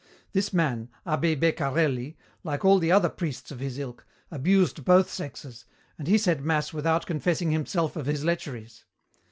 This man, abbé Beccarelli, like all the other priests of his ilk, abused both sexes, and he said mass without confessing himself of his lecheries.